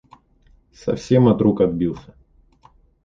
Совсем от рук отбился.